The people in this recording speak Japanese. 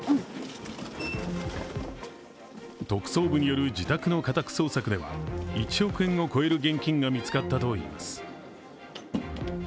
特捜部による自宅の家宅捜索では１億円を超える現金が見つかったといいます。